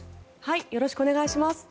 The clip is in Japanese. よろしくお願いします。